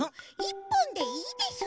１ぽんでいいです。